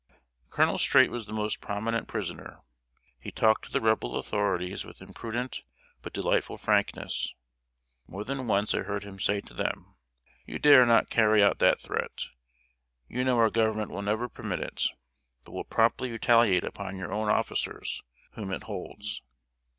Colonel Streight was the most prominent prisoner. He talked to the Rebel authorities with imprudent, but delightful frankness. More than once I heard him say to them: "You dare not carry out that threat! You know our Government will never permit it, but will promptly retaliate upon your own officers, whom it holds."